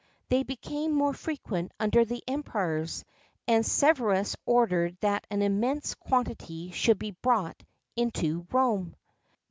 They became more frequent under the Emperors; and Severus ordered that an immense quantity should be brought into Rome.